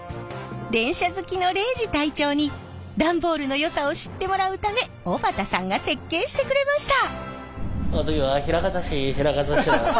電車好きの礼二隊長に段ボールのよさを知ってもらうため小畑さんが設計してくれました。